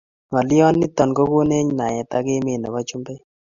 ngaliot niton kokonech naiet ak emet nebo chumbek